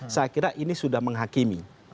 saya kira ini sudah menghakimi